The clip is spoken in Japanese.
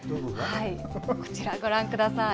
こちらご覧ください。